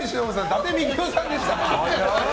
伊達みきおさんでした。